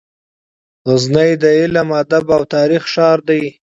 غزني د علم، ادب او تاریخ ښار دی.